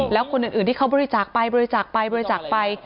แล้วคนอื่นที่เขาบริจาคไปบริจาคไป